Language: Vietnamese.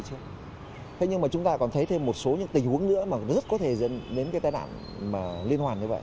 thế nhưng mà chúng ta còn thấy thêm một số những tình huống nữa mà rất có thể dẫn đến cái tai đạn liên hoàn như vậy